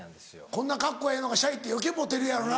こんなカッコええのがシャイって余計モテるやろな。